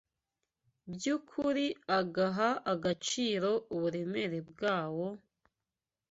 by’ukuri, agaha agaciro uburemere bwawo,